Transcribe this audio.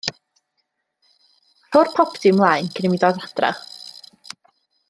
Rho'r popty mlaen cyn i mi ddod adra.